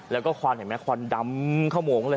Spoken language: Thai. แล้วก็ความดำเข้าโมงเลย